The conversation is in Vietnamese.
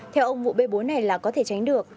theo ông vụ bê bối này là có thể tránh được